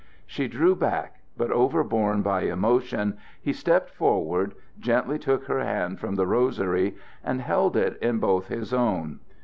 She drew back, but, overborne by emotion, he stepped forward, gently took her hand from the rosary, and held it in both his own.